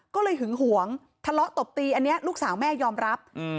ก็เลยหึงหวงทะเลาะตบตีอันนี้ลูกสาวแม่ยอมรับ